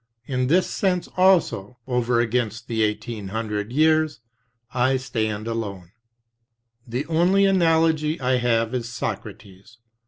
In this sense also — over against the eighteen hundred years — I stand alone. "The only analogy I have is Socrates.